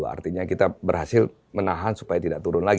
artinya kita berhasil menahan supaya tidak turun lagi